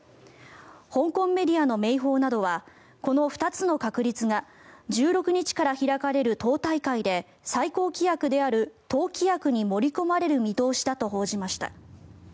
香港メディアの明報などはこの二つの確立が１６日から開かれる党大会で最高規約である党規約に盛り込まれる見通しだと報じました。